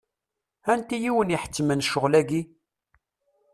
Anti i wen-iḥettmen ccɣel-agi?